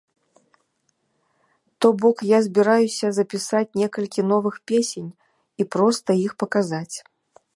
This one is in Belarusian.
То бок, я збіраюся запісаць некалькі новых песень і проста іх паказаць.